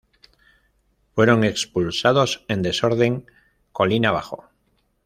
Fueron expulsados en desorden colina abajo.